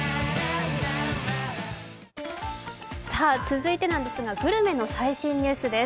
続いてなんですが、グルメの最新ニュースです。